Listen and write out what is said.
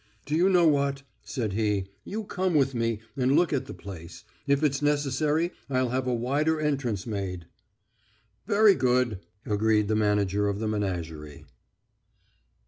"Do you know what?" said he. "You come with me and look at the place. If it's necessary, I'll have a wider entrance made." "Very good!" agreed the manager of the menagerie.